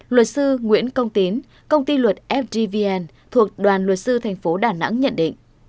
luật sư nguyễn công tín công ty luật fdvn thuộc đoàn luật sư thành phố đà nẵng nhận định